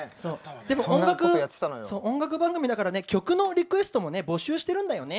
でも音楽番組だからね曲のリクエストも募集してるんだよね。